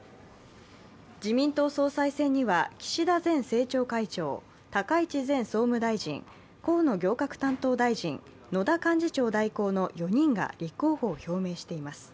自民党総裁選には岸田前政調会長高市前総務大臣、河野行革担当大臣、野田幹事長代行の４人が立候補を表明しています。